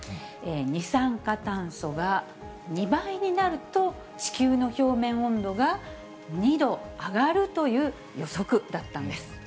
二酸化炭素が２倍になると、地球の表面温度が２度上がるという予測だったんです。